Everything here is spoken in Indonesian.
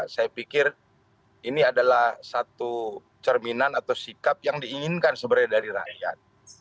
saya pikir ini adalah satu cerminan atau sikap yang diinginkan sebenarnya dari rakyat